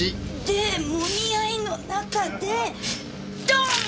で揉み合いの中でドーン！